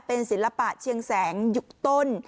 เป็นศิลปะเชียงแสงยุคต้น